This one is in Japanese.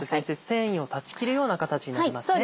繊維を断ち切るような形になりますね。